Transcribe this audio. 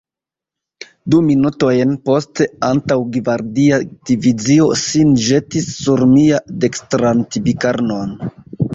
Du minutojn poste, antaŭgvardia divizio sin ĵetis sur mian dekstran tibikarnon.